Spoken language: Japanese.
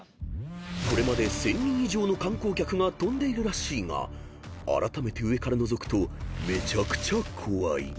［これまで１，０００人以上の観光客が飛んでいるらしいがあらためて上からのぞくとめちゃくちゃ怖い］